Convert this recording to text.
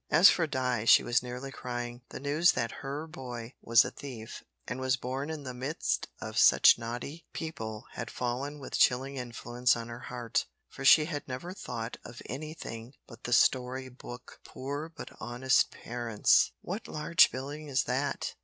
As for Di, she was nearly crying. The news that her boy was a thief and was born in the midst of such naughty people had fallen with chilling influence on her heart, for she had never thought of anything but the story book "poor but honest parents!" "What large building is that?"